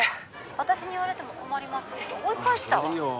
☎私に言われても困りますって☎追い返したわそれでいいよ